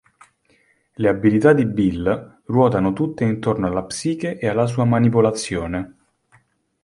Le abilità di Bill ruotano tutte intorno alla psiche e alla sua manipolazione.